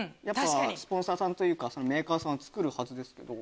スポンサーさんというかメーカーさんは作るはずですけど。